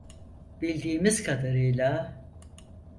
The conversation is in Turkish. Bildiğimiz kadarıyla.